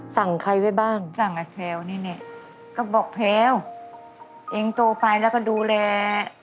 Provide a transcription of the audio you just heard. สั่งใครไว้บ้างสั่งไอ้แพลวนี่เนี่ยก็บอกแพลวเองโตไปแล้วก็ดูแล